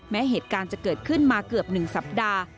แม้เหตุการณ์จะเกิดขึ้นมาเกือบ๑สัปดาห์